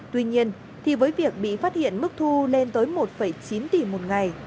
tuy nhiên thì với việc bị phát hiện mức thu lên tới một chín tỷ một ngày